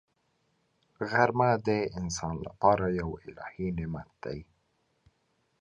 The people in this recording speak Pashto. غرمه د انسان لپاره یو الهي نعمت دی